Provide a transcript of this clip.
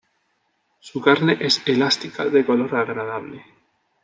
Su carne es elástica de olor agradable.